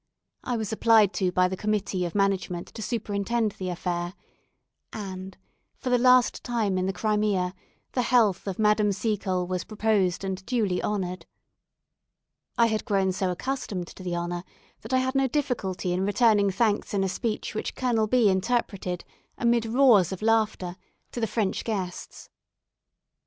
I was applied to by the committee of management to superintend the affair, and, for the last time in the Crimea, the health of Madame Seacole was proposed and duly honoured. I had grown so accustomed to the honour that I had no difficulty in returning thanks in a speech which Colonel B interpreted amid roars of laughter to the French guests.